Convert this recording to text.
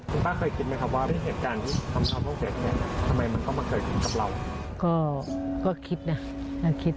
คุณป้าเคยคิดไหมครับว่าเป็นเหตุการณ์ที่ทำความต้องเก็บ